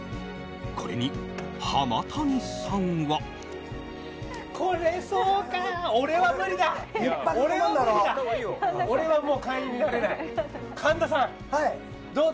これに、浜谷さんは。俺は無理だ。